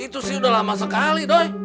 itu sih udah lama sekali doy